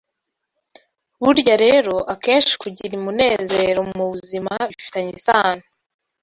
Burya rero, akenshi kugira umunezero mu buzima bifitanye isano